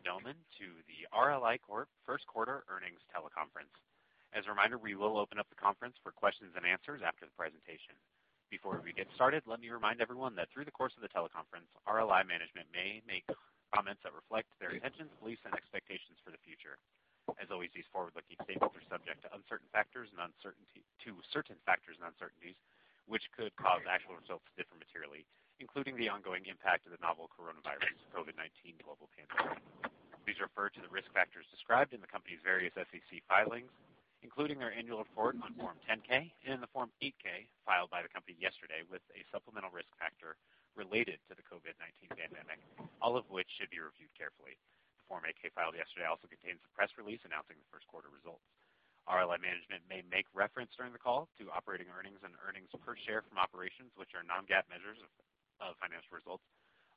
Good morning, and welcome, ladies and gentlemen, to the RLI Corp. First Quarter Earnings Teleconference. As a reminder, we will open up the conference for questions and answers after the presentation. Before we get started, let me remind everyone that through the course of the teleconference, RLI management may make comments that reflect their intentions, beliefs, and expectations for the future. As always, these forward-looking statements are subject to certain factors and uncertainties which could cause actual results to differ materially, including the ongoing impact of the novel coronavirus, COVID-19 global pandemic. Please refer to the risk factors described in the company's various SEC filings, including our annual report on Form 10-K and in the Form 8-K filed by the company yesterday with a supplemental risk factor related to the COVID-19 pandemic, all of which should be reviewed carefully. The Form 8-K filed yesterday also contains a press release announcing the first quarter results. RLI management may make reference during the call to operating earnings and earnings per share from operations, which are non-GAAP measures of financial results.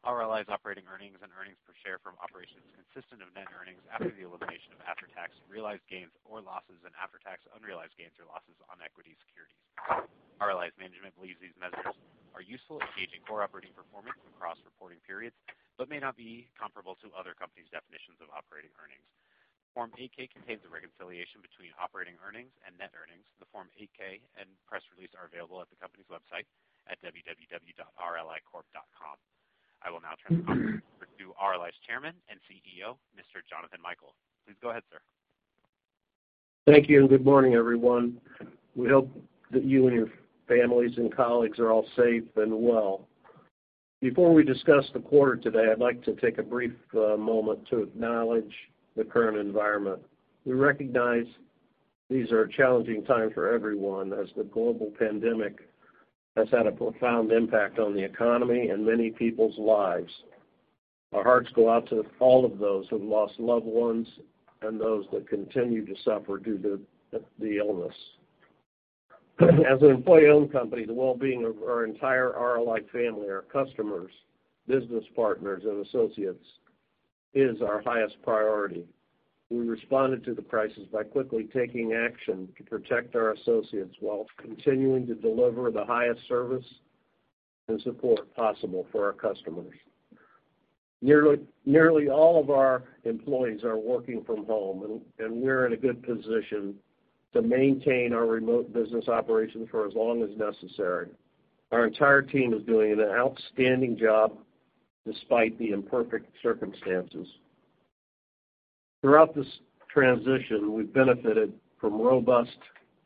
RLI's operating earnings and earnings per share from operations consist of net earnings after the elimination of after-tax realized gains or losses and after-tax unrealized gains or losses on equity securities. RLI's management believes these measures are useful in gauging core operating performance across reporting periods but may not be comparable to other companies' definitions of operating earnings. Form 8-K contains a reconciliation between operating earnings and net earnings. The Form 8-K and press release are available at the company's website at www.rlicorp.com. I will now turn the conference over to RLI's Chairman and CEO, Mr. Jonathan Michael. Please go ahead, sir. Thank you, and good morning, everyone. We hope that you and your families and colleagues are all safe and well. Before we discuss the quarter today, I'd like to take a brief moment to acknowledge the current environment. We recognize these are challenging times for everyone, as the global pandemic has had a profound impact on the economy and many people's lives. Our hearts go out to all of those who've lost loved ones and those that continue to suffer due to the illness. As an employee-owned company, the well-being of our entire RLI family, our customers, business partners, and associates is our highest priority. We responded to the crisis by quickly taking action to protect our associates while continuing to deliver the highest service and support possible for our customers. Nearly all of our employees are working from home. We're in a good position to maintain our remote business operations for as long as necessary. Our entire team is doing an outstanding job despite the imperfect circumstances. Throughout this transition, we've benefited from robust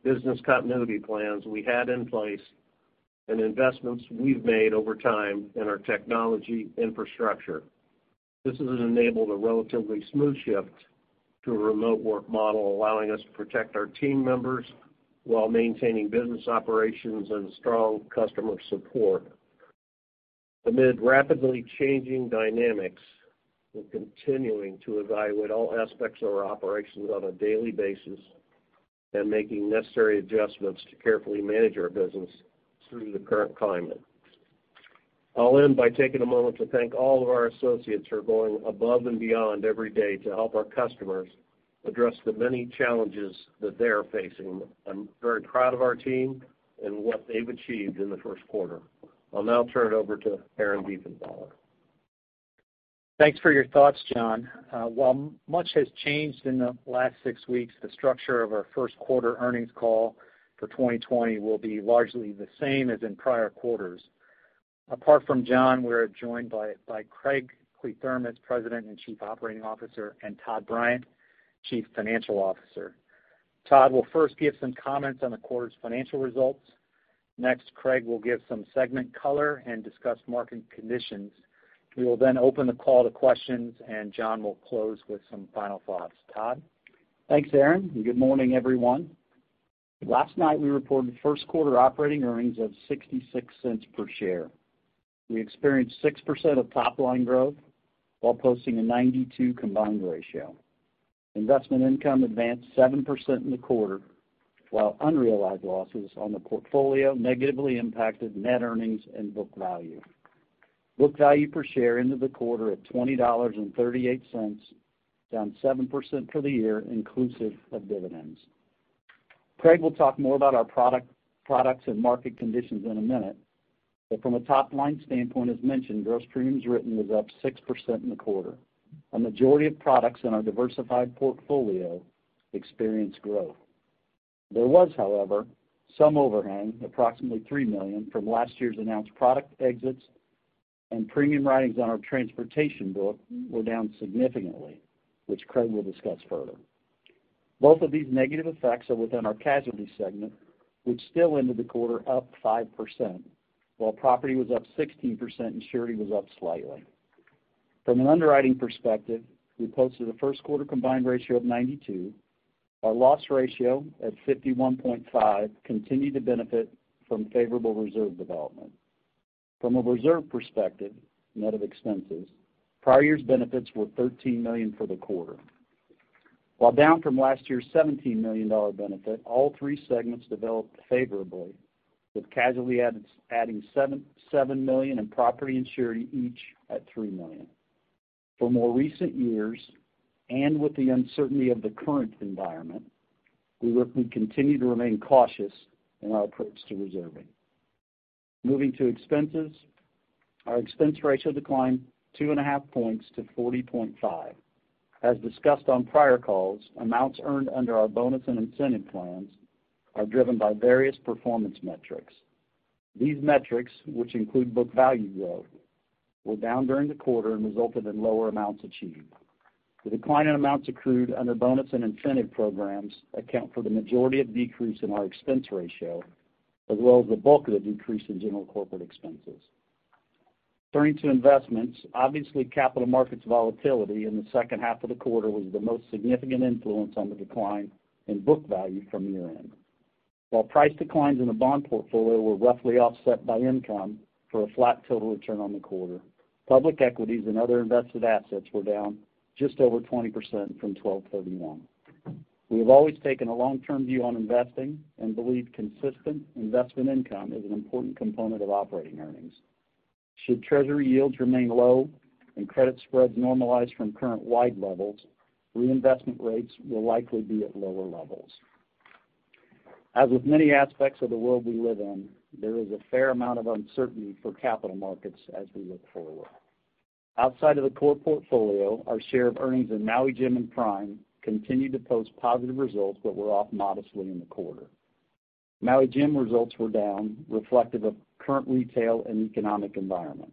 business continuity plans we had in place and investments we've made over time in our technology infrastructure. This has enabled a relatively smooth shift to a remote work model, allowing us to protect our team members while maintaining business operations and strong customer support. Amid rapidly changing dynamics, we're continuing to evaluate all aspects of our operations on a daily basis and making necessary adjustments to carefully manage our business through the current climate. I'll end by taking a moment to thank all of our associates who are going above and beyond every day to help our customers address the many challenges that they are facing. I'm very proud of our team and what they've achieved in the first quarter. I'll now turn it over to Aaron Diefenthaler. Thanks for your thoughts, John. While much has changed in the last six weeks, the structure of our first quarter earnings call for 2020 will be largely the same as in prior quarters. Apart from John, we're joined by Craig Kliethermes, President and Chief Operating Officer, and Todd Bryant, Chief Financial Officer. Todd will first give some comments on the quarter's financial results. Next, Craig will give some segment color and discuss market conditions. We will then open the call to questions, and John will close with some final thoughts. Todd? Thanks, Aaron, and good morning, everyone. Last night, we reported first quarter operating earnings of $0.66 per share. We experienced 6% of top-line growth while posting a 92 combined ratio. Investment income advanced 7% in the quarter, while unrealized losses on the portfolio negatively impacted net earnings and book value. Book value per share ended the quarter at $20.38, down 7% for the year inclusive of dividends. Craig will talk more about our products and market conditions in a minute. From a top-line standpoint, as mentioned, gross premiums written was up 6% in the quarter. A majority of products in our diversified portfolio experienced growth. There was, however, some overhang, approximately $3 million, from last year's announced product exits, and premium writings on our transportation book were down significantly, which Craig will discuss further. Both of these negative effects are within our casualty segment, which still ended the quarter up 5%, while property was up 16% and surety was up slightly. From an underwriting perspective, we posted a first quarter combined ratio of 92. Our loss ratio, at 51.5, continued to benefit from favorable reserve development. From a reserve perspective, net of expenses, prior year's benefits were $13 million for the quarter. While down from last year's $17 million benefit, all three segments developed favorably, with casualty adding $7 million and property and surety each at $3 million. For more recent years and with the uncertainty of the current environment, we continue to remain cautious in our approach to reserving. Moving to expenses. Our expense ratio declined 2.5 points to 40.5. As discussed on prior calls, amounts earned under our bonus and incentive plans are driven by various performance metrics. These metrics, which include book value growth, were down during the quarter and resulted in lower amounts achieved. The decline in amounts accrued under bonus and incentive programs account for the majority of decrease in our expense ratio, as well as the bulk of the decrease in general corporate expenses. Turning to investments, obviously, capital markets volatility in the second half of the quarter was the most significant influence on the decline in book value from year-end. While price declines in the bond portfolio were roughly offset by income for a flat total return on the quarter, public equities and other invested assets were down just over 20% from 1231. We have always taken a long-term view on investing and believe consistent investment income is an important component of operating earnings. Should treasury yields remain low and credit spreads normalize from current wide levels, reinvestment rates will likely be at lower levels. As with many aspects of the world we live in, there is a fair amount of uncertainty for capital markets as we look forward. Outside of the core portfolio, our share of earnings in Maui Jim and Prime continued to post positive results but were off modestly in the quarter. Maui Jim results were down, reflective of current retail and economic environment.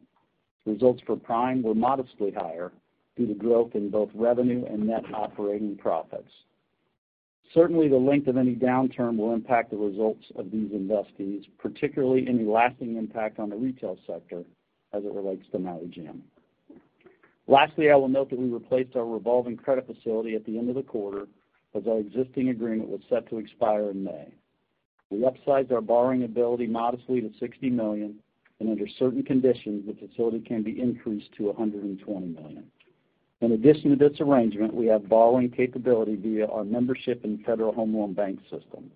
Results for Prime were modestly higher due to growth in both revenue and net operating profits. Certainly, the length of any downturn will impact the results of these investees, particularly any lasting impact on the retail sector as it relates to Maui Jim. Lastly, I will note that we replaced our revolving credit facility at the end of the quarter as our existing agreement was set to expire in May. We upsized our borrowing ability modestly to $60 million, and under certain conditions, the facility can be increased to $120 million. In addition to this arrangement, we have borrowing capability via our membership in the Federal Home Loan Bank system.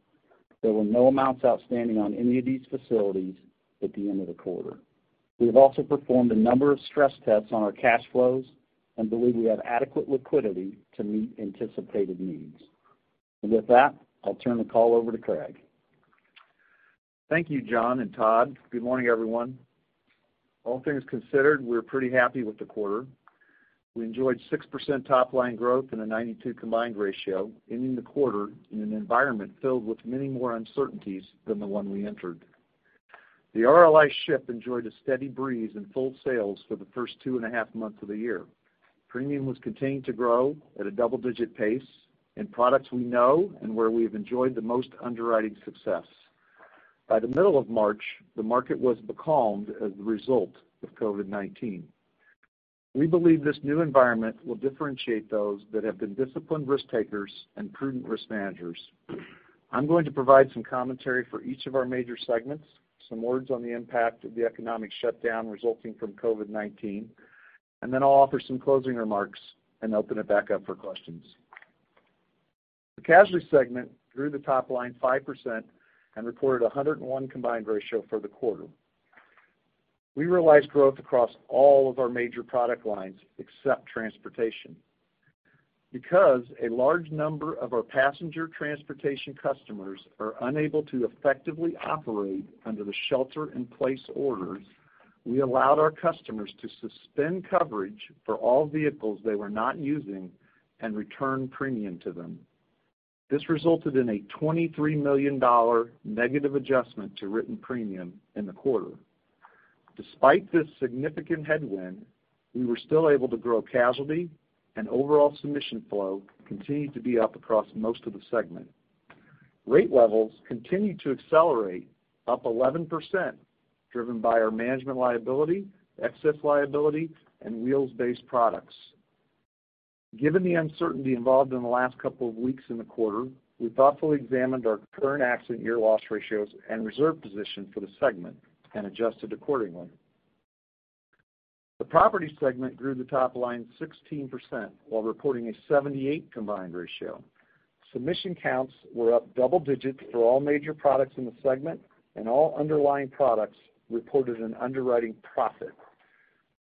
There were no amounts outstanding on any of these facilities at the end of the quarter. We have also performed a number of stress tests on our cash flows and believe we have adequate liquidity to meet anticipated needs. With that, I'll turn the call over to Craig. Thank you, John and Todd. Good morning, everyone. All things considered, we're pretty happy with the quarter. We enjoyed 6% top-line growth and a 92 combined ratio, ending the quarter in an environment filled with many more uncertainties than the one we entered. The RLI ship enjoyed a steady breeze and full sails for the first two and a half months of the year. Premium was continuing to grow at a double-digit pace in products we know and where we have enjoyed the most underwriting success. By the middle of March, the market was becalmed as a result of COVID-19. We believe this new environment will differentiate those that have been disciplined risk takers and prudent risk managers. I'm going to provide some commentary for each of our major segments, some words on the impact of the economic shutdown resulting from COVID-19, and then I'll offer some closing remarks and open it back up for questions. The casualty segment grew the top line 5% and reported 101 combined ratio for the quarter. We realized growth across all of our major product lines except transportation. Because a large number of our passenger transportation customers are unable to effectively operate under the shelter-in-place orders, we allowed our customers to suspend coverage for all vehicles they were not using and return premium to them. This resulted in a $23 million negative adjustment to written premium in the quarter. Despite this significant headwind, we were still able to grow casualty and overall submission flow continued to be up across most of the segment. Rate levels continued to accelerate up 11%, driven by our management liability, excess liability, and wheels-based products. Given the uncertainty involved in the last couple of weeks in the quarter, we thoughtfully examined our current accident year loss ratios and reserve position for the segment and adjusted accordingly. The property segment grew the top line 16% while reporting a 78 combined ratio. Submission counts were up double digits for all major products in the segment, and all underlying products reported an underwriting profit.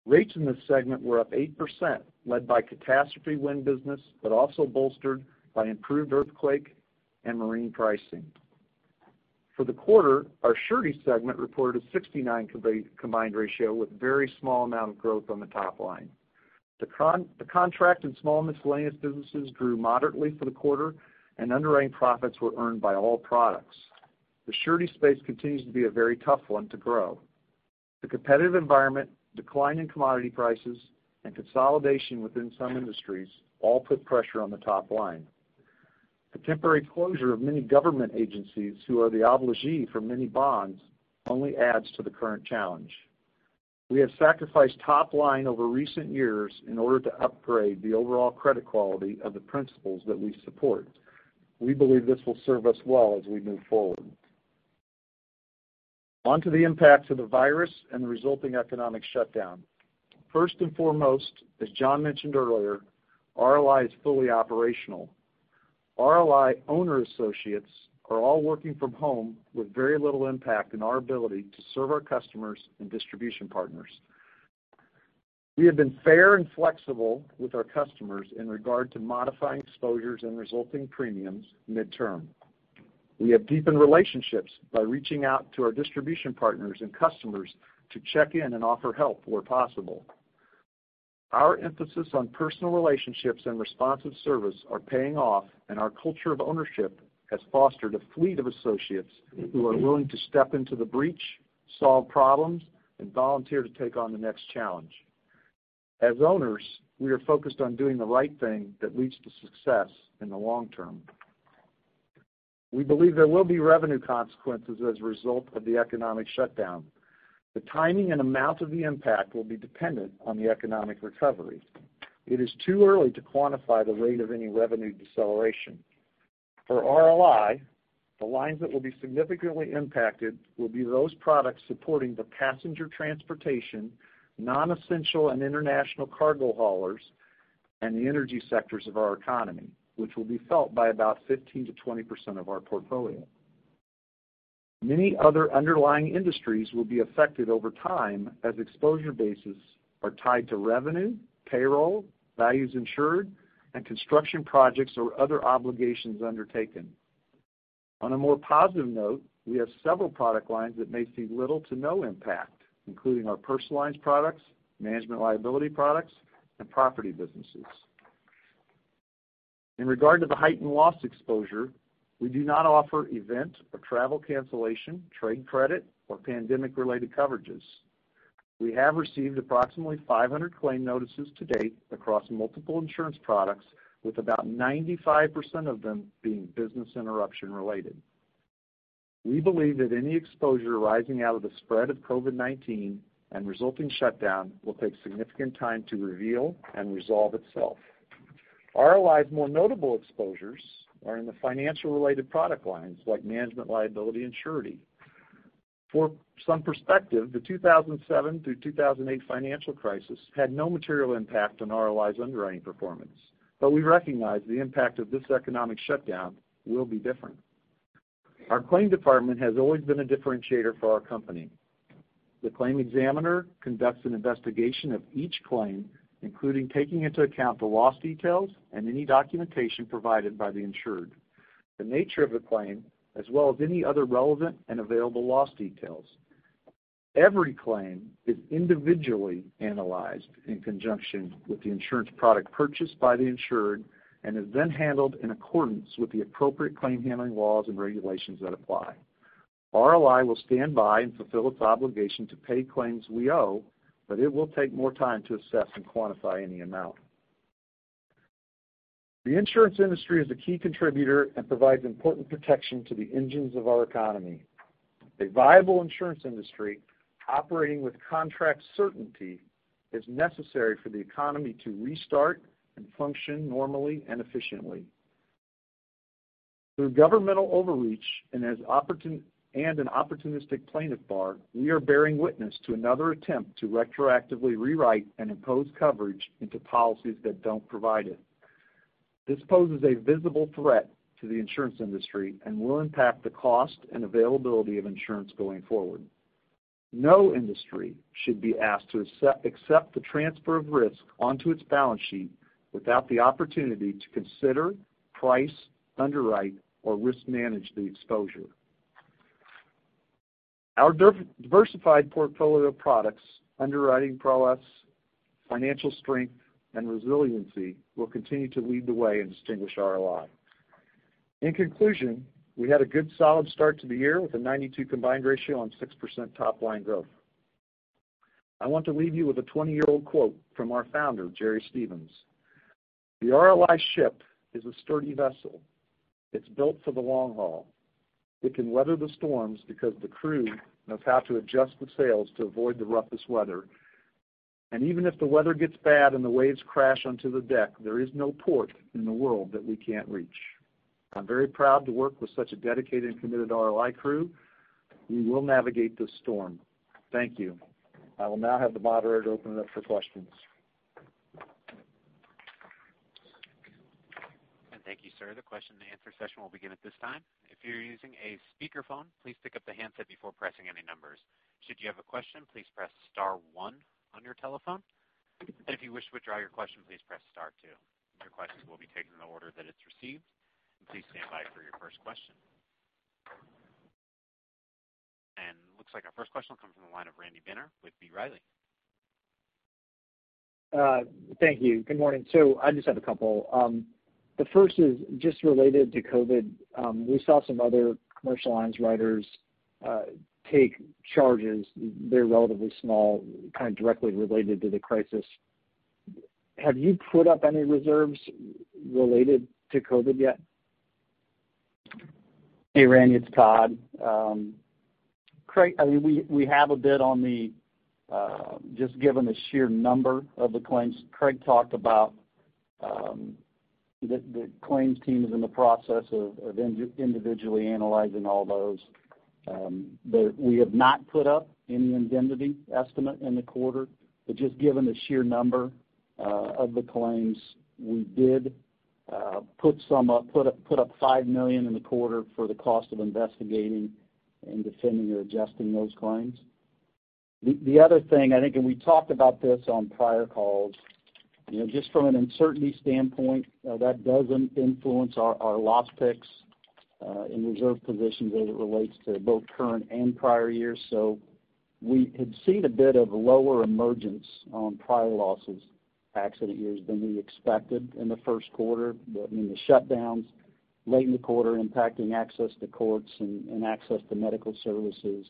Rates in this segment were up 8%, led by catastrophe wind business, but also bolstered by improved earthquake and marine pricing. For the quarter, our surety segment reported a 69 combined ratio with very small amount of growth on the top line. The contract and small miscellaneous businesses grew moderately for the quarter, and underwriting profits were earned by all products. The surety space continues to be a very tough one to grow. The competitive environment, decline in commodity prices, and consolidation within some industries all put pressure on the top line. The temporary closure of many government agencies who are the obligee for many bonds only adds to the current challenge. We have sacrificed top line over recent years in order to upgrade the overall credit quality of the principals that we support. We believe this will serve us well as we move forward. On to the impacts of the virus and the resulting economic shutdown. First and foremost, as John mentioned earlier, RLI is fully operational. RLI owner associates are all working from home with very little impact on our ability to serve our customers and distribution partners. We have been fair and flexible with our customers in regard to modifying exposures and resulting premiums midterm. We have deepened relationships by reaching out to our distribution partners and customers to check in and offer help where possible. Our emphasis on personal relationships and responsive service are paying off, and our culture of ownership has fostered a fleet of associates who are willing to step into the breach, solve problems, and volunteer to take on the next challenge. As owners, we are focused on doing the right thing that leads to success in the long term. We believe there will be revenue consequences as a result of the economic shutdown. The timing and amount of the impact will be dependent on the economic recovery. It is too early to quantify the rate of any revenue deceleration. For RLI, the lines that will be significantly impacted will be those products supporting the passenger transportation, non-essential and international cargo haulers, and the energy sectors of our economy, which will be felt by about 15%-20% of our portfolio. Many other underlying industries will be affected over time as exposure bases are tied to revenue, payroll, values insured, and construction projects or other obligations undertaken. On a more positive note, we have several product lines that may see little to no impact, including our personal lines products, management liability products, and property businesses. In regard to the heightened loss exposure, we do not offer event or travel cancellation, trade credit, or pandemic-related coverages. We have received approximately 500 claim notices to date across multiple insurance products, with about 95% of them being business interruption related. We believe that any exposure arising out of the spread of COVID-19 and resulting shutdown will take significant time to reveal and resolve itself. RLI's more notable exposures are in the financial related product lines, like management liability and surety. For some perspective, the 2007 through 2008 financial crisis had no material impact on RLI's underwriting performance. We recognize the impact of this economic shutdown will be different. Our claim department has always been a differentiator for our company. The claim examiner conducts an investigation of each claim, including taking into account the loss details and any documentation provided by the insured, the nature of the claim, as well as any other relevant and available loss details. Every claim is individually analyzed in conjunction with the insurance product purchased by the insured and is then handled in accordance with the appropriate claim-handling laws and regulations that apply. RLI will stand by and fulfill its obligation to pay claims we owe. It will take more time to assess and quantify any amount. The insurance industry is a key contributor and provides important protection to the engines of our economy. A viable insurance industry operating with contract certainty is necessary for the economy to restart and function normally and efficiently. Through governmental overreach and an opportunistic plaintiff bar, we are bearing witness to another attempt to retroactively rewrite and impose coverage into policies that don't provide it. This poses a visible threat to the insurance industry and will impact the cost and availability of insurance going forward. No industry should be asked to accept the transfer of risk onto its balance sheet without the opportunity to consider price, underwrite, or risk manage the exposure. Our diversified portfolio of products, underwriting prowess, financial strength, and resiliency will continue to lead the way and distinguish RLI. In conclusion, we had a good solid start to the year with a 92 combined ratio and 6% top-line growth. I want to leave you with a 20-year-old quote from our founder, Jerry Stephens. "The RLI ship is a sturdy vessel. It's built for the long haul. It can weather the storms because the crew knows how to adjust the sails to avoid the roughest weather. Even if the weather gets bad and the waves crash onto the deck, there is no port in the world that we can't reach." I'm very proud to work with such a dedicated and committed RLI crew. We will navigate this storm. Thank you. I will now have the moderator open it up for questions. Thank you, sir. The question and answer session will begin at this time. If you're using a speakerphone, please pick up the handset before pressing any numbers. Should you have a question, please press star one on your telephone. If you wish to withdraw your question, please press star two. Your questions will be taken in the order that it's received. Please standby for your first question. Looks like our first question will come from the line of Randy Binner with B. Riley. Thank you. Good morning. I just have a couple. The first is just related to COVID. We saw some other commercial lines writers take charges. They're relatively small, kind of directly related to the crisis. Have you put up any reserves related to COVID yet? Hey, Randy, it's Todd. Craig, I mean, we have a bit on the, just given the sheer number of the claims Craig talked about, the claims team is in the process of individually analyzing all those. We have not put up any indemnity estimate in the quarter. Just given the sheer number of the claims, we did Put up $5 million in the quarter for the cost of investigating and defending or adjusting those claims. The other thing, I think, we talked about this on prior calls, just from an uncertainty standpoint, that does influence our loss picks in reserve positions as it relates to both current and prior years. We had seen a bit of lower emergence on prior losses, accident years than we expected in the first quarter. The shutdowns late in the quarter impacting access to courts and access to medical services.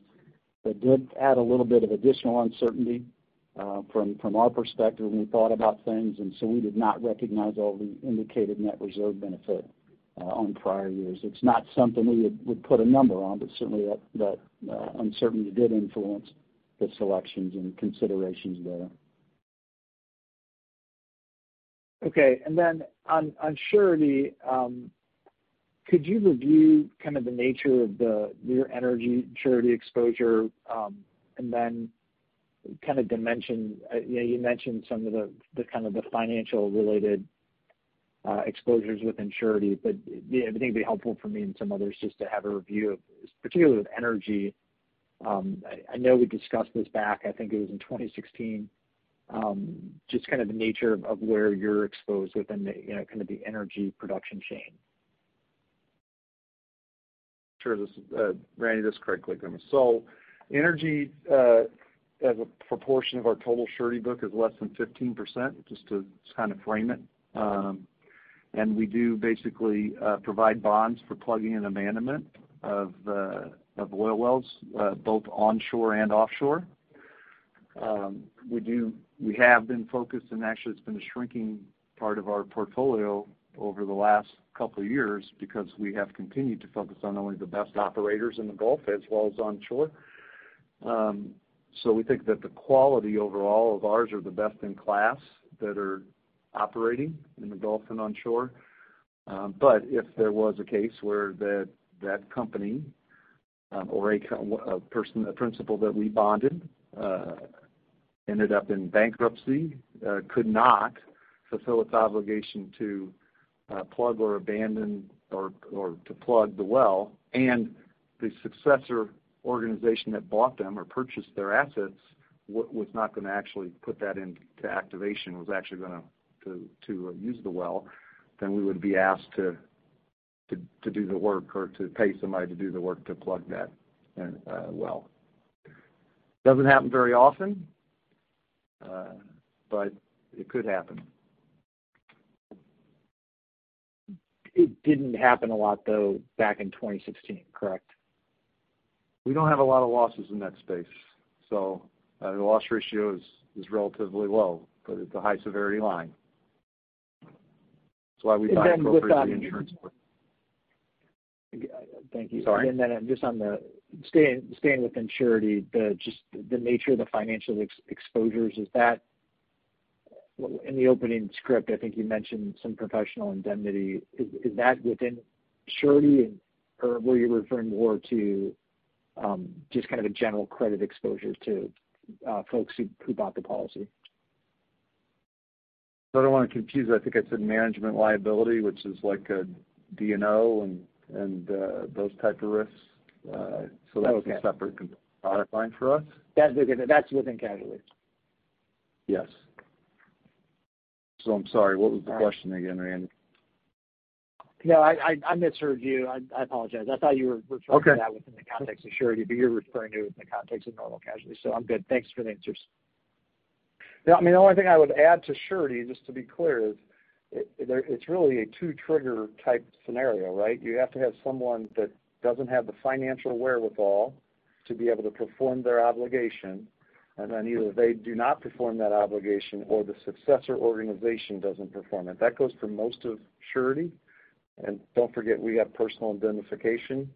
That did add a little bit of additional uncertainty from our perspective when we thought about things, so we did not recognize all the indicated net reserve benefit on prior years. It's not something we would put a number on, certainly that uncertainty did influence the selections and considerations there. On surety, could you review the nature of your energy surety exposure, dimension, you mentioned some of the financial related exposures within surety, but I think it'd be helpful for me and some others just to have a review of, particularly with energy. I know we discussed this back, I think it was in 2016, just the nature of where you're exposed within the energy production chain. Randy, this is Craig Kliethermes. Energy, as a proportion of our total surety book is less than 15%, just to frame it. We do basically provide bonds for plugging and abandonment of oil wells, both onshore and offshore. We have been focused, and actually it's been a shrinking part of our portfolio over the last couple of years because we have continued to focus on only the best operators in the Gulf as well as onshore. We think that the quality overall of ours are the best in class that are operating in the Gulf and onshore. If there was a case where that company or a principal that we bonded ended up in bankruptcy, could not fulfill its obligation to plug or abandon or to plug the well, the successor organization that bought them or purchased their assets was not going to actually put that into activation, was actually going to use the well, we would be asked to do the work or to pay somebody to do the work to plug that well. Doesn't happen very often, it could happen. It didn't happen a lot, though, back in 2016, correct? We don't have a lot of losses in that space. The loss ratio is relatively low, but it's a high-severity line. That's why we buy appropriate reinsurance for it. Thank you. Sorry. Then just on the, staying within surety, just the nature of the financial exposures, is that in the opening script, I think you mentioned some professional indemnity. Is that within surety or were you referring more to just kind of a general credit exposure to folks who bought the policy? I don't want to confuse. I think I said management liability, which is like a D&O and those type of risks. Okay. That's a separate product line for us. That's within casualty. Yes. I'm sorry, what was the question again, Randy? No, I misheard you. I apologize. Okay to that within the context of surety, but you're referring to it within the context of normal casualty. I'm good. Thanks for the answers. Yeah, the only thing I would add to surety, just to be clear, is it's really a 2 trigger type scenario, right? You have to have someone that doesn't have the financial wherewithal to be able to perform their obligation. Then either they do not perform that obligation or the successor organization doesn't perform it. That goes for most of surety. Don't forget, we have personal indemnification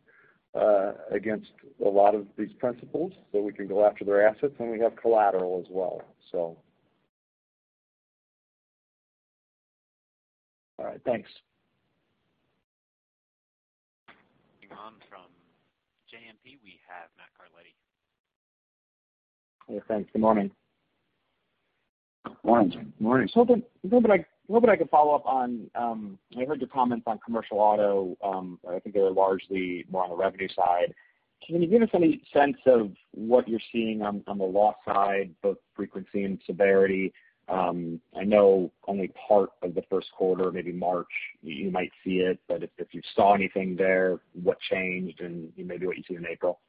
against a lot of these principals, we can go after their assets, and we have collateral as well. All right. Thanks. Moving on from JMP, we have Matt Carletti. Yes, thanks. Good morning. Morning, Matt. Morning. I'm hoping I can follow up on, I heard your comments on commercial auto. I think they were largely more on the revenue side. Can you give us any sense of what you're seeing on the loss side, both frequency and severity? I know only part of the first quarter, maybe March, you might see it, but if you saw anything there, what changed and maybe what you see in April?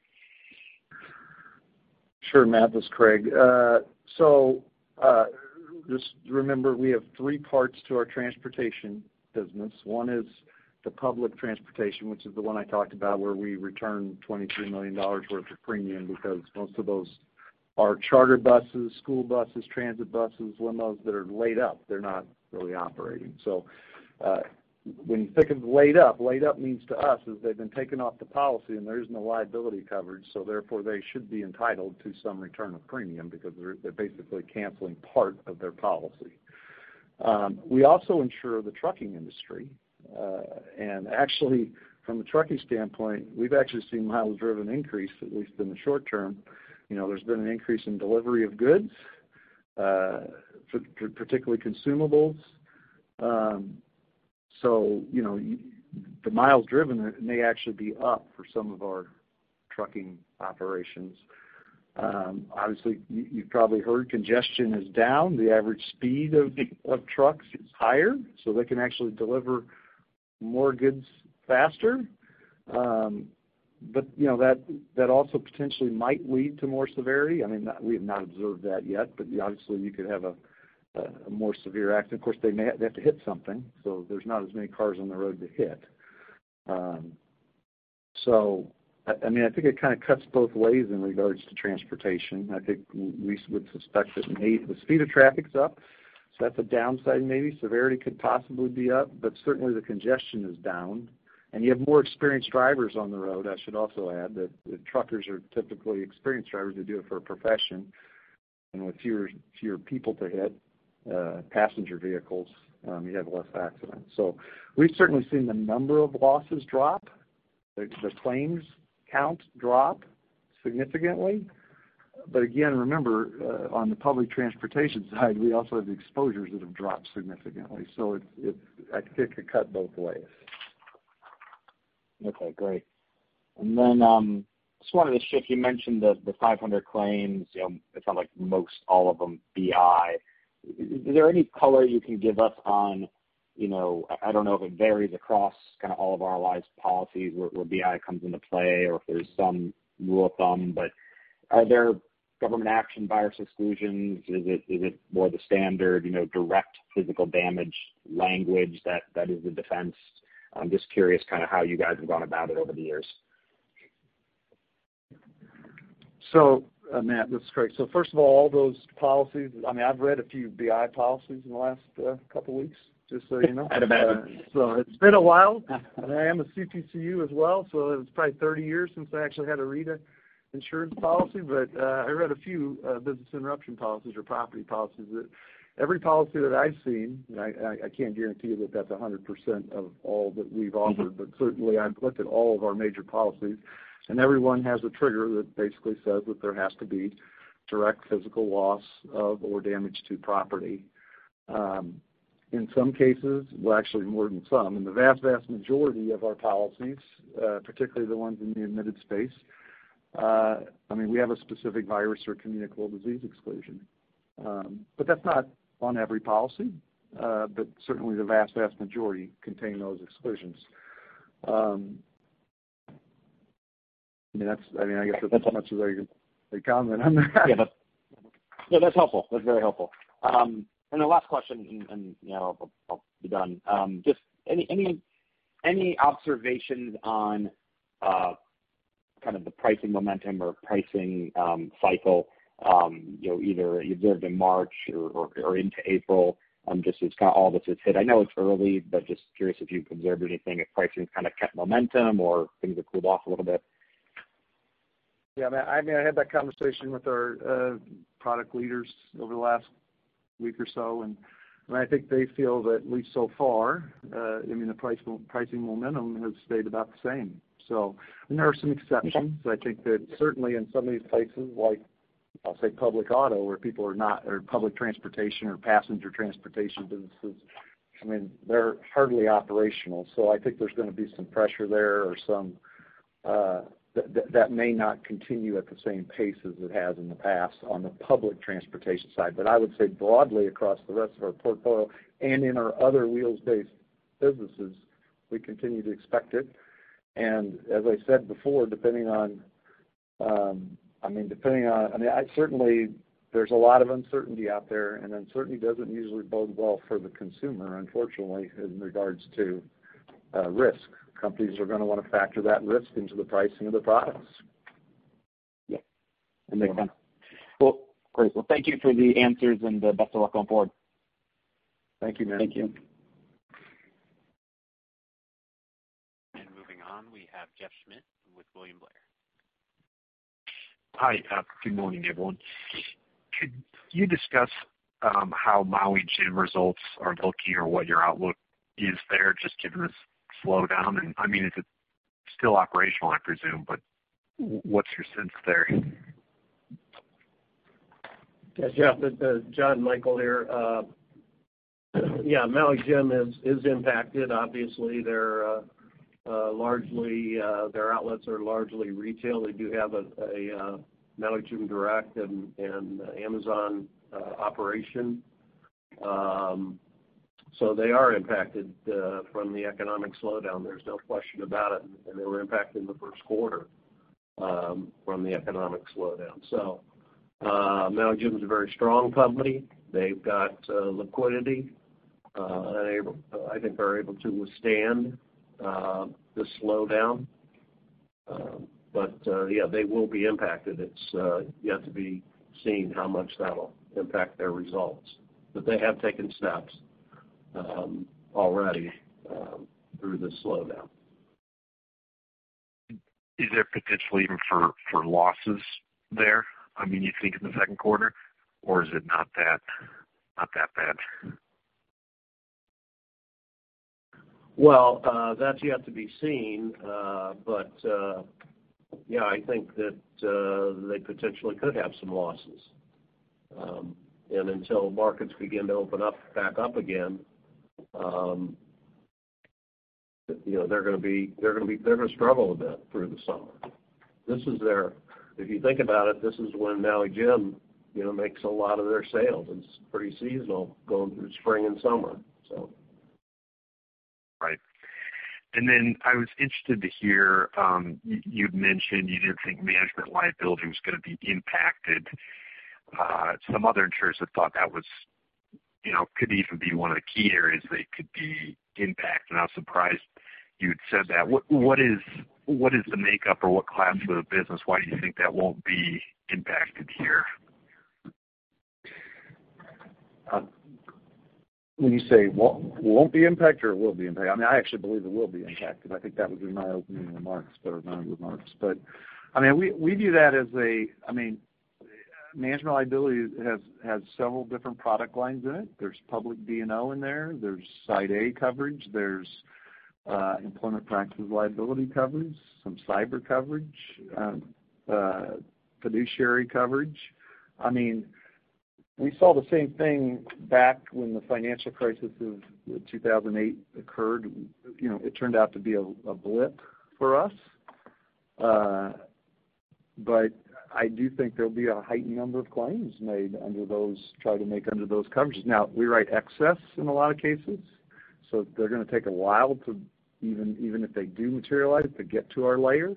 Sure, Matt, this is Craig. Just remember we have three parts to our transportation business. One is the public transportation, which is the one I talked about, where we returned $23 million worth of premium because most of those are charter buses, school buses, transit buses, limos that are laid up. They're not really operating. When you think of laid up, laid up means to us is they've been taken off the policy and there is no liability coverage, therefore, they should be entitled to some return of premium because they're basically canceling part of their policy. We also insure the trucking industry. Actually, from a trucking standpoint, we've actually seen miles driven increase, at least in the short term. There's been an increase in delivery of goods particularly consumables. The miles driven may actually be up for some of our trucking operations. Obviously, you've probably heard congestion is down. The average speed of trucks is higher, so they can actually deliver more goods faster. That also potentially might lead to more severity. We have not observed that yet, but obviously you could have a more severe accident. Of course, they have to hit something, so there's not as many cars on the road to hit. I think it kind of cuts both ways in regards to transportation. I think we would suspect that the speed of traffic's up, so that's a downside maybe. Severity could possibly be up, but certainly the congestion is down. You have more experienced drivers on the road, I should also add. That truckers are typically experienced drivers. They do it for a profession. With fewer people to hit, passenger vehicles, you have less accidents. We've certainly seen the number of losses drop, the claims count drop significantly. Again, remember, on the public transportation side, we also have the exposures that have dropped significantly. I think it could cut both ways. Okay, great. Then, just wanted to shift, you mentioned the 500 claims, it sound like most all of them BI. Is there any color you can give us on, I don't know if it varies across kind of all of RLI's policies where BI comes into play or if there's some rule of thumb, but are there government action virus exclusions? Is it more the standard direct physical damage language that is the defense? I'm just curious kind of how you guys have gone about it over the years. Matt, that's great. First of all, those policies, I've read a few BI policies in the last couple of weeks, just so you know. I'd imagine. It's been a while, and I am a CPCU as well, it's probably 30 years since I actually had to read an insurance policy. I read a few business interruption policies or property policies. Every policy that I've seen, and I can't guarantee you that that's 100% of all that we've offered, but certainly I've looked at all of our major policies, and every one has a trigger that basically says that there has to be direct physical loss of or damage to property. In some cases, well, actually, more than some, in the vast majority of our policies, particularly the ones in the admitted space, we have a specific virus or communicable disease exclusion. That's not on every policy. Certainly the vast majority contain those exclusions. I guess that's as much as I can comment on that. Yeah. No, that's helpful. That's very helpful. The last question, and I'll be done. Just any observations on kind of the pricing momentum or pricing cycle, either you observed in March or into April, just as kind of all this has hit? I know it's early, but just curious if you've observed anything, if pricing kind of kept momentum or things have cooled off a little bit. Yeah, Matt, I had that conversation with our product leaders over the last week or so, and I think they feel that, at least so far, the pricing momentum has stayed about the same. There are some exceptions. I think that certainly in some of these places like, I'll say public auto where people are not, or public transportation or passenger transportation businesses, they're hardly operational. I think there's going to be some pressure there, or that may not continue at the same pace as it has in the past on the public transportation side. I would say broadly across the rest of our portfolio and in our other wheels-based businesses, we continue to expect it. As I said before, certainly there's a lot of uncertainty out there, and uncertainty doesn't usually bode well for the consumer, unfortunately, in regards to risk. Companies are going to want to factor that risk into the pricing of the products. Yeah. Makes sense. Cool. Great. Well, thank you for the answers and best of luck on board. Thank you, Matt. Thank you. Moving on, we have Jeff Schmitt with William Blair. Hi. Good morning, everyone. Could you discuss how Maui Jim results are looking or what your outlook is there, just given this slowdown? It's still operational, I presume, but what's your sense there? Yeah, Jeff. John Michael here. Yeah, Maui Jim is impacted. Obviously, their outlets are largely retail. They do have a Maui Jim direct and Amazon operation. They are impacted from the economic slowdown, there's no question about it, and they were impacted in the first quarter from the economic slowdown. Maui Jim's a very strong company. They've got liquidity, I think are able to withstand the slowdown. Yeah, they will be impacted. It's yet to be seen how much that'll impact their results. They have taken steps already through this slowdown. Is there potential even for losses there, you think, in the second quarter, or is it not that bad? Well, that's yet to be seen. Yeah, I think that they potentially could have some losses. Until markets begin to open back up again, they're going to struggle a bit through the summer. If you think about it, this is when Maui Jim makes a lot of their sales. It's pretty seasonal going through spring and summer. Right. I was interested to hear, you'd mentioned you didn't think management liability was going to be impacted. Some other insurers had thought that could even be one of the key areas that could be impacted, and I was surprised you had said that. What is the makeup or what class of the business? Why do you think that won't be impacted here? When you say won't be impacted or will be impacted? I actually believe it will be impacted. I think that was in my opening remarks that are non-remarks. Management liability has several different product lines in it. There's public D&O in there. There's Side A coverage. There's employment practices liability coverage, some cyber coverage, fiduciary coverage. We saw the same thing back when the financial crisis of 2008 occurred. It turned out to be a blip for us. I do think there'll be a heightened number of claims made under those coverages. Now, we write excess in a lot of cases, so they're going to take a while to, even if they do materialize, to get to our layer.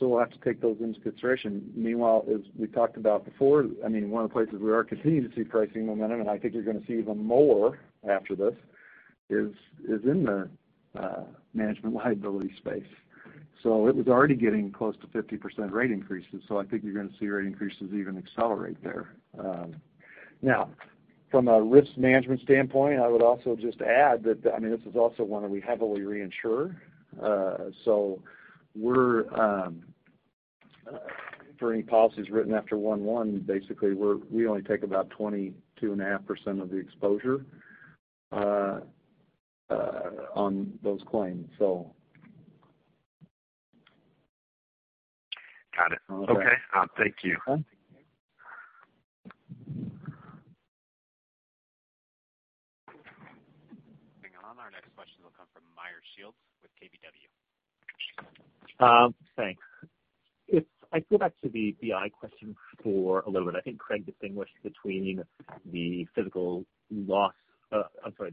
We'll have to take those into consideration. Meanwhile, as we talked about before, one of the places we are continuing to see pricing momentum, and I think you're going to see even more after this, is in the management liability space. It was already getting close to 50% rate increases, so I think you're going to see rate increases even accelerate there. Now, from a risk management standpoint, I would also just add that, this is also one that we heavily reinsure. For any policies written after one-one, basically, we only take about 22.5% of the exposure on those claims. Got it. Okay. Thank you. Our next question will come from Meyer Shields with KBW. Thanks. If I go back to the BI question for a little bit, I think Craig distinguished between the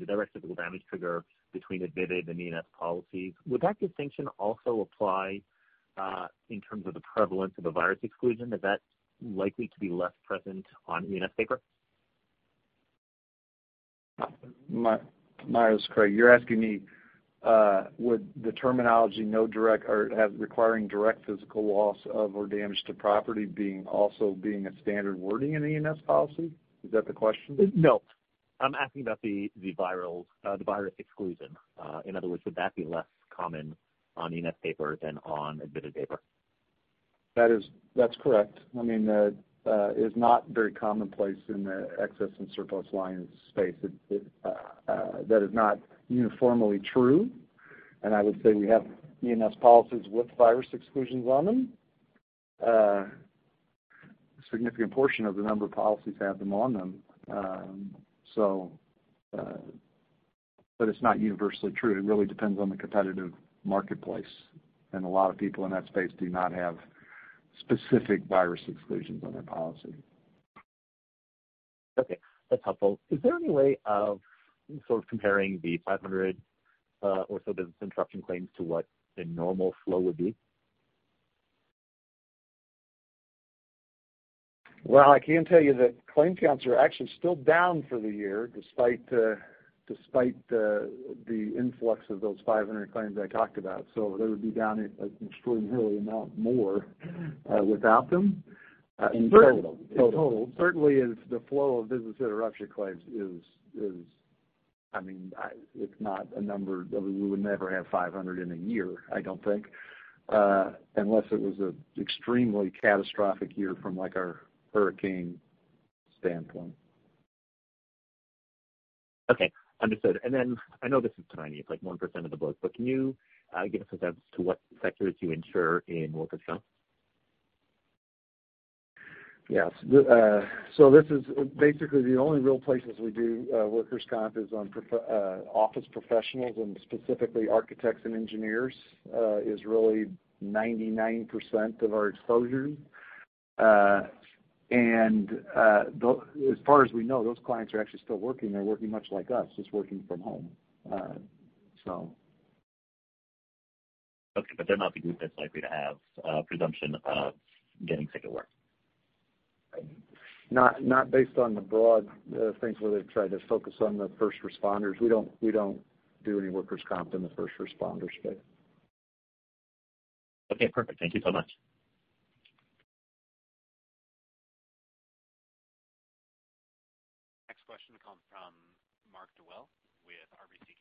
direct physical damage trigger between admitted and E&S policies. Would that distinction also apply in terms of the prevalence of a virus exclusion? Is that likely to be less present on ENS paper? Meyer, it's Craig. You're asking me, would the terminology no direct or requiring direct physical loss of or damage to property also being a standard wording in the E&S policy? Is that the question? No. I'm asking about the virus exclusion. In other words, would that be less common on E&S paper than on admitted paper? That's correct. It's not very commonplace in the excess and surplus lines space. That is not uniformly true. I would say we have E&S policies with virus exclusions on them. A significant portion of the number of policies have them on them. It's not universally true. It really depends on the competitive marketplace. A lot of people in that space do not have specific virus exclusions on their policy. Okay. That's helpful. Is there any way of comparing the 500 or so business interruption claims to what a normal flow would be? Well, I can tell you that claim counts are actually still down for the year despite the influx of those 500 claims I talked about. They would be down an extraordinary amount more without them. In total. In total. Certainly the flow of business interruption claims is not a number that we would never have 500 in a year, I don't think, unless it was an extremely catastrophic year from our hurricane standpoint. Okay. Understood. Then I know this is tiny, it's like 1% of the book, but can you give us a sense to what sectors you insure in workers' comp? Yes. Basically the only real places we do workers' comp is on office professionals and specifically architects and engineers, is really 99% of our exposure. As far as we know, those clients are actually still working. They're working much like us, just working from home. Okay. They're not the group that's likely to have a presumption of getting sick at work. Not based on the broad things where they've tried to focus on the first responders. We don't do any workers' comp in the first responder space. Okay, perfect. Thank you so much. Next question comes from Mark Dwelle with RBC.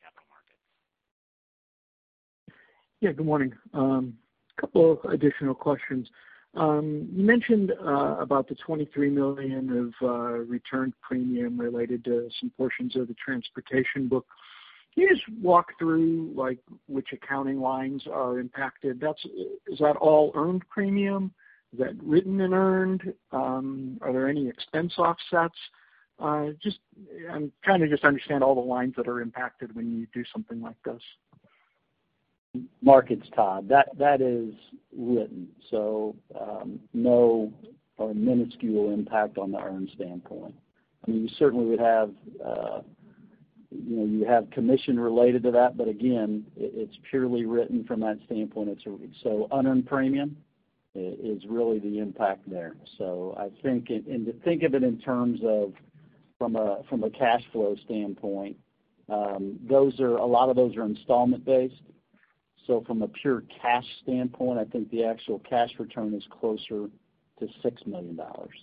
Yeah, good morning. A couple of additional questions. You mentioned about the $23 million of return premium related to some portions of the transportation book. Can you just walk through which accounting lines are impacted? Is that all earned premium? Is that written and earned? Are there any expense offsets? I'm trying to just understand all the lines that are impacted when you do something like this. Mark Dwelle, Todd. That is written, so no or minuscule impact on the earned standpoint. You have commission related to that, but again, it's purely written from that standpoint. Unearned premium is really the impact there. I think, and to think of it in terms of from a cash flow standpoint, a lot of those are installment-based. From a pure cash standpoint, I think the actual cash return is closer to $6 million.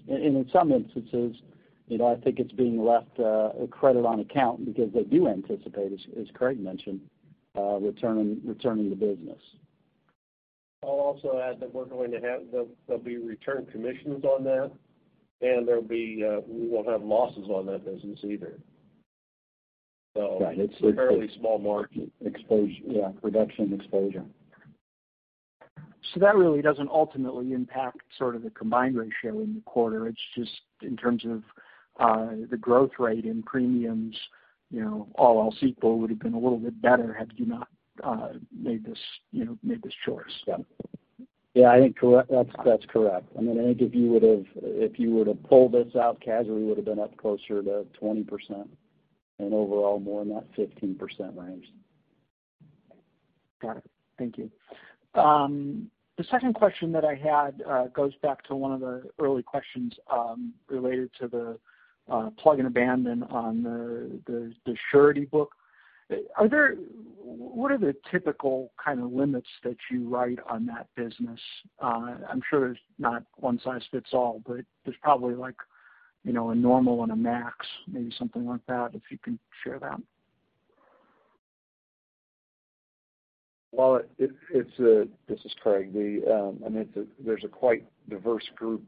In some instances, I think it's being left a credit on account because they do anticipate, as Craig Kliethermes mentioned, returning the business. I'll also add that there'll be return commissions on that, and we won't have losses on that business either. Right. It's a fairly small market. Exposure, yeah. Reduction exposure. That really doesn't ultimately impact sort of the combined ratio in the quarter, it's just in terms of the growth rate in premiums, all else equal, would have been a little bit better had you not made this choice. Yeah. I think that's correct. I think if you were to pull this out, casualty would have been up closer to 20% and overall more in that 15% range. Got it. Thank you. The second question that I had goes back to one of the early questions related to the plug and abandon on the surety book. What are the typical kind of limits that you write on that business? I'm sure it's not one size fits all, but there's probably a normal and a max, maybe something like that, if you can share that. Well, this is Craig. There's a quite diverse group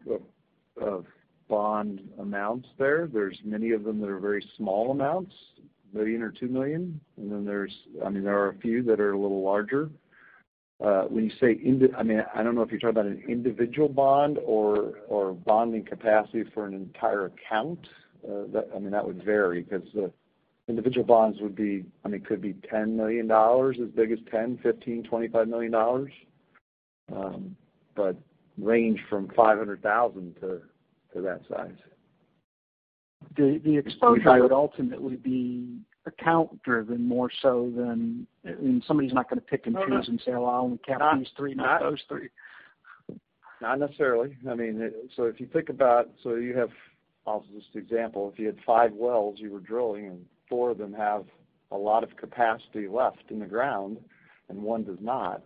of bond amounts there. There's many of them that are very small amounts, $1 million or $2 million, and then there are a few that are a little larger. I don't know if you're talking about an individual bond or bonding capacity for an entire account. That would vary because the individual bonds could be $10 million, as big as $10 million, $15 million, $25 million, but range from $500,000 to that size. The exposure would ultimately be account driven more so than somebody's not going to pick and choose and say, "Well, I only count these three, not those three. Not necessarily. If you think about it, I'll give this example. If you had five wells you were drilling and four of them have a lot of capacity left in the ground and one does not,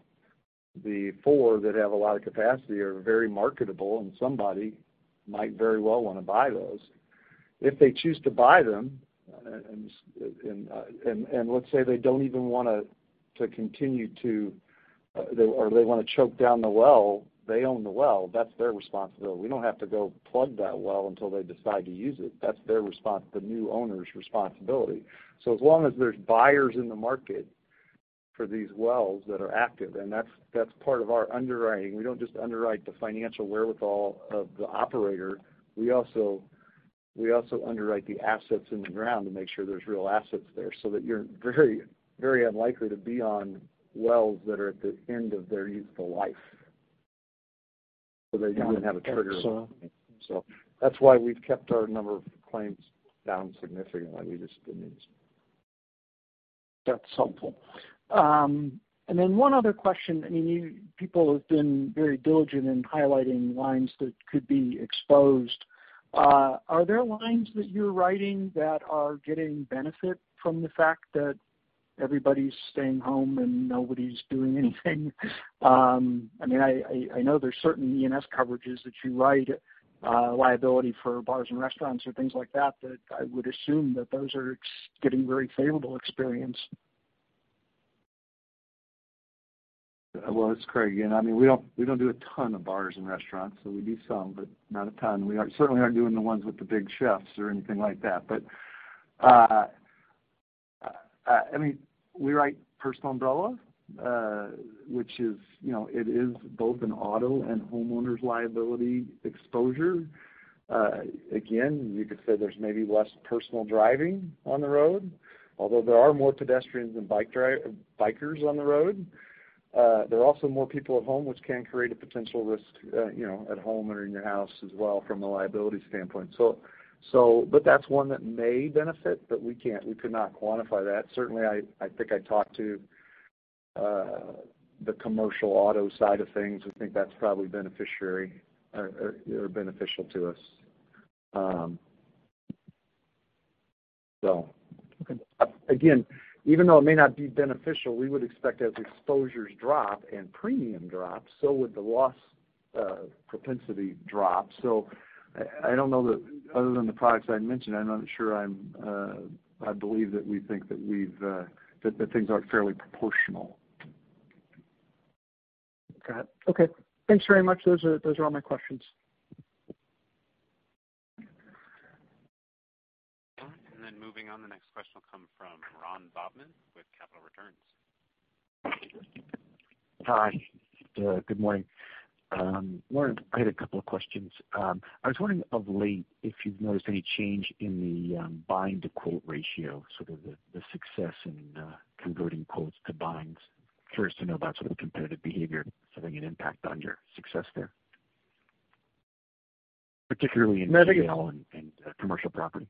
the four that have a lot of capacity are very marketable, and somebody might very well want to buy those. If they choose to buy them, and let's say they want to choke down the well, they own the well. That's their responsibility. We don't have to go plug that well until they decide to use it. That's the new owner's responsibility. As long as there's buyers in the market for these wells that are active, and that's part of our underwriting. We don't just underwrite the financial wherewithal of the operator. We also underwrite the assets in the ground to make sure there's real assets there, so that you're very unlikely to be on wells that are at the end of their useful life, where they don't have a trigger. That's why we've kept our number of claims down significantly, at least in these. That's helpful. One other question. People have been very diligent in highlighting lines that could be exposed. Are there lines that you're writing that are getting benefit from the fact that everybody's staying home and nobody's doing anything? I know there's certain E&S coverages that you write, liability for bars and restaurants or things like that I would assume that those are getting very favorable experience. Well, this is Craig again. We don't do a ton of bars and restaurants. We do some, but not a ton. We certainly aren't doing the ones with the big chefs or anything like that. We write personal umbrella, which is both an auto and homeowners' liability exposure. Again, you could say there's maybe less personal driving on the road, although there are more pedestrians and bikers on the road. There are also more people at home, which can create a potential risk at home or in your house as well from a liability standpoint. That's one that may benefit, but we could not quantify that. Certainly, I think I talked to the commercial auto side of things, I think that's probably beneficiary or beneficial to us. Okay. Again, even though it may not be beneficial, we would expect as exposures drop and premium drops, so would the loss propensity drop. I don't know that other than the products I'd mentioned, I'm not sure. I believe that we think that the things aren't fairly proportional. Got it. Okay. Thanks very much. Those are all my questions. Moving on, the next question will come from Ron Bobman with Capital Returns Management. Hi. Good morning. I had a couple of questions. I was wondering of late if you've noticed any change in the bind to quote ratio, sort of the success in converting quotes to binds. Curious to know about sort of competitive behavior having an impact on your success there, particularly in retail and commercial property.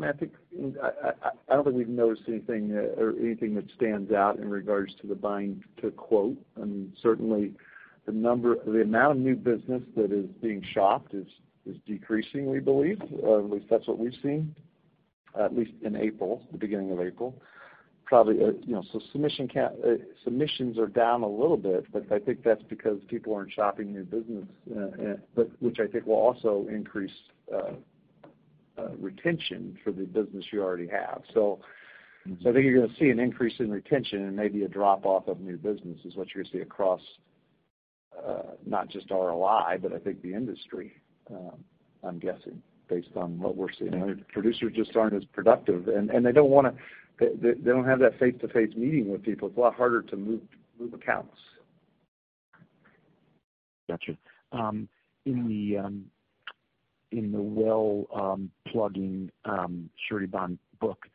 I don't think we've noticed anything or anything that stands out in regards to the bind to quote. I mean, certainly the amount of new business that is being shopped is decreasing, we believe, or at least that's what we've seen, at least in April, the beginning of April. Submissions are down a little bit, but I think that's because people aren't shopping new business, which I think will also increase retention for the business you already have. I think you're going to see an increase in retention and maybe a drop-off of new business is what you're going to see across, not just RLI, but I think the industry, I'm guessing based on what we're seeing. Producers just aren't as productive, they don't have that face-to-face meeting with people. It's a lot harder to move accounts. Got you. In the well plugging surety bond book,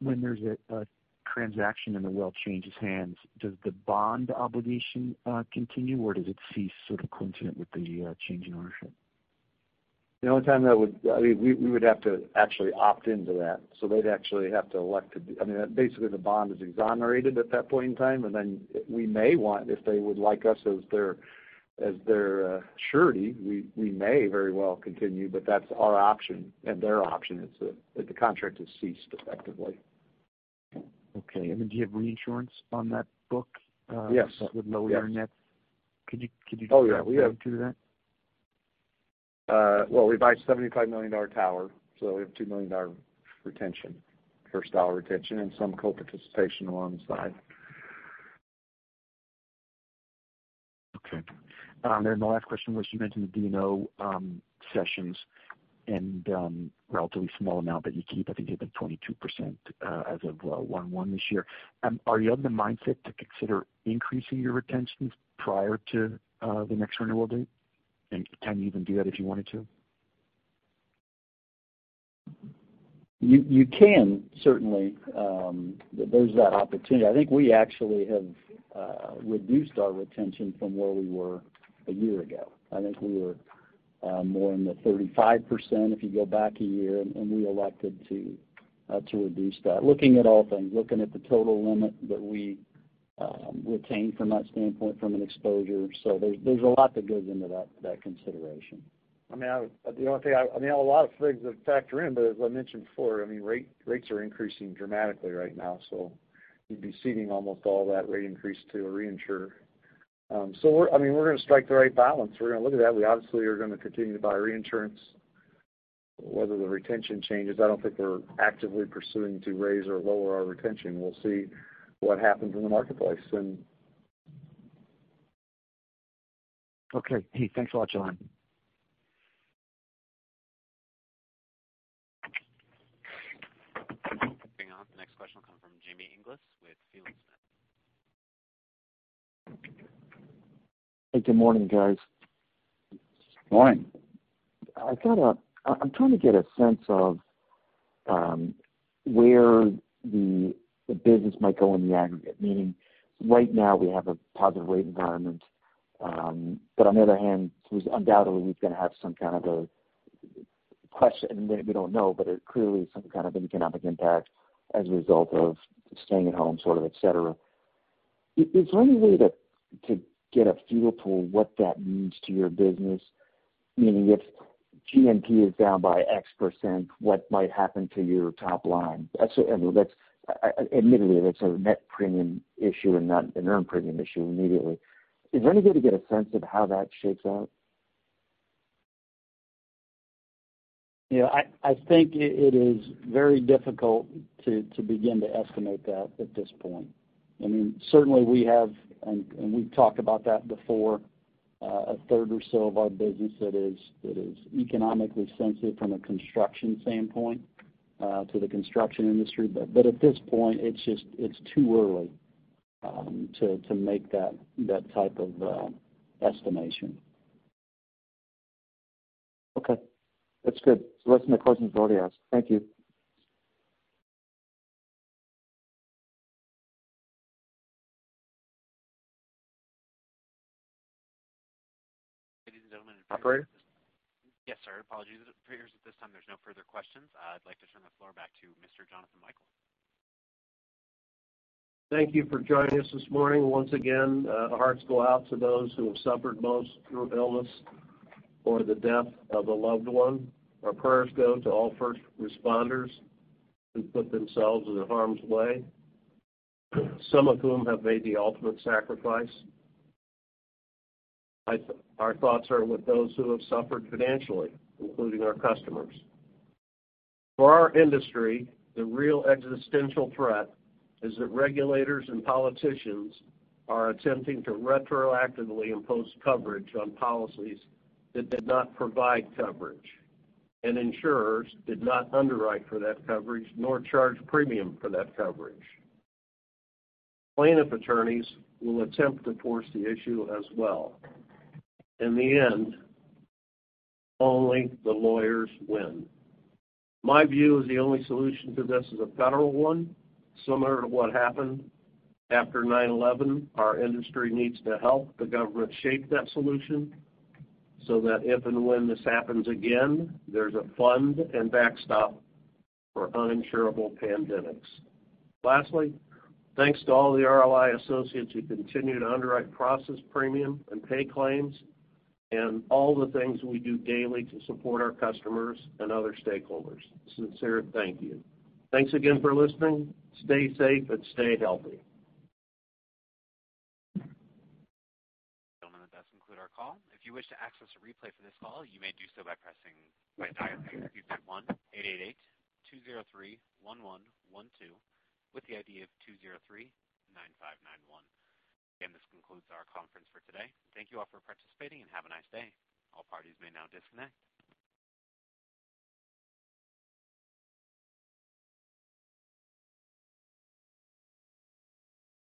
when there's a transaction and the well changes hands, does the bond obligation continue, or does it cease sort of coincident with the change in ownership? The only time we would have to actually opt into that. They'd actually have to elect to do basically, the bond is exonerated at that point in time, and then we may want, if they would like us as their surety, we may very well continue, but that's our option and their option is that the contract is ceased effectively. Then do you have reinsurance on that book- Yes with lower net? Oh, yeah speak to that? Well, we buy a $75 million tower, we have $2 million retention, first dollar retention, and some co-participation along the side. Okay. The last question was, you mentioned the D&O cessions and relatively small amount that you keep. I think you had like 22% as of 1/1 this year. Are you of the mindset to consider increasing your retentions prior to the next renewal date? Can you even do that if you wanted to? You can, certainly. There's that opportunity. I think we actually have reduced our retention from where we were a year ago. I think we were more in the 35% if you go back a year. We elected to reduce that, looking at all things, looking at the total limit that we retain from that standpoint from an exposure. There's a lot that goes into that consideration. I mean, a lot of things that factor in. As I mentioned before, rates are increasing dramatically right now. You'd be ceding almost all that rate increase to a reinsurer. We're going to strike the right balance. We're going to look at that. We obviously are going to continue to buy reinsurance. Whether the retention changes, I don't think we're actively pursuing to raise or lower our retention. We'll see what happens in the marketplace. Okay. Hey, thanks a lot, John. Moving on. The next question will come from Jamie Inglis with Philo Smith. Hey, good morning, guys. Morning. I'm trying to get a sense of where the business might go in the aggregate. Meaning, right now we have a positive rate environment. On the other hand, undoubtedly we're going to have some kind of a question. We don't know, clearly some kind of economic impact as a result of staying at home, et cetera. Is there any way to get a feel for what that means to your business? Meaning if GNP is down by X%, what might happen to your top line? Admittedly, that's a net premium issue and not an earned premium issue immediately. Is there any way to get a sense of how that shakes out? I think it is very difficult to begin to estimate that at this point. I mean, certainly we have, we've talked about that before, a third or so of our business that is economically sensitive from a construction standpoint to the construction industry. At this point, it's too early to make that type of estimation. Okay. That's good. It's worth the question to already ask. Thank you. Ladies and gentlemen. Operator? Yes, sir. Apologies. It appears at this time there's no further questions. I'd like to turn the floor back to Mr. Jonathan Michael. Thank you for joining us this morning. Once again, our hearts go out to those who have suffered most through illness or the death of a loved one. Our prayers go to all first responders who put themselves in harm's way, some of whom have made the ultimate sacrifice. Our thoughts are with those who have suffered financially, including our customers. For our industry, the real existential threat is that regulators and politicians are attempting to retroactively impose coverage on policies that did not provide coverage, and insurers did not underwrite for that coverage nor charge premium for that coverage. Plaintiff attorneys will attempt to force the issue as well. In the end, only the lawyers win. My view is the only solution to this is a federal one, similar to what happened after 9/11. Our industry needs to help the government shape that solution so that if and when this happens again, there's a fund and backstop for uninsurable pandemics. Lastly, thanks to all the RLI associates who continue to underwrite, process premium, and pay claims, and all the things we do daily to support our customers and other stakeholders. A sincere thank you. Thanks again for listening. Stay safe and stay healthy. Gentlemen, that does conclude our call. If you wish to access a replay for this call, you may do so by dialing #1-888-203-1112 with the ID of 2039591. Again, this concludes our conference for today. Thank you all for participating and have a nice day. All parties may now disconnect.